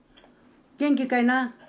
元気かいな？